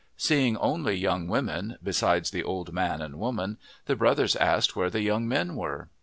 Seeing only young women, besides the old man and woman, the brothers asked where the young men were.